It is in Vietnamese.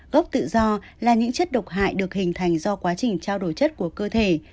gốc tự do là những chất độc hại được hình thành do quá trình trao đổi chất của cơ thể